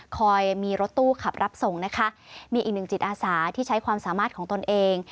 มีรถตู้ขับรับส่งนะคะมีอีกหนึ่งจิตอาสาที่ใช้ความสามารถของตนเอง